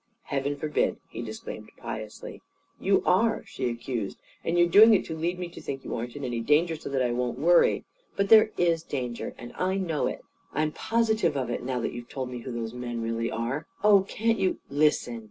"Heaven forbid!" he disclaimed, piously. "You are!" she accused. "And you're doing it to lead me to think you aren't in any danger; so that I won't worry. But there is danger! And I know it. I'm positive of it, now that you've told me who those men really are. Oh, can't you " "Listen!"